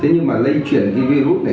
thế nhưng mà lấy chuyển virus này